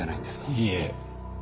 いいえ。